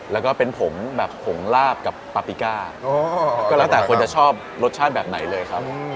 แล้วก็เป็นผมแบบผงลาบกับปาปิก้าก็แล้วแต่คนจะชอบรสชาติแบบไหนเลยครับ